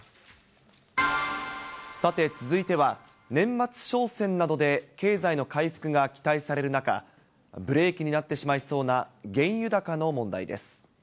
さて、続いては、年末商戦などで経済の回復が期待される中、ブレーキになってしまいそうな原油高の問題です。